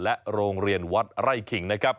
โรงเรียนวัดไร่ขิงนะครับ